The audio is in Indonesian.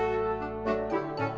ya pak sofyan